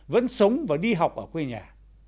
vẫn sống và đi học ở quê nhà